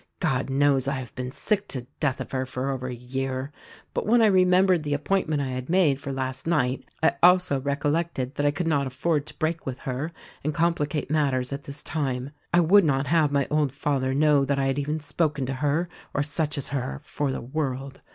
God knows, I have been sick to death of her for over a year ; but when I remembered the appointment I had made for last night I also recollected that I could not afford to break with her and complicate matters at this time. I would not have my old father know that I had even spoken to her or such as her for the world.